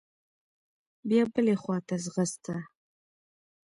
بيا بلې خوا ته ځغسته.